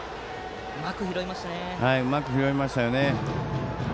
うまく拾いましたよね。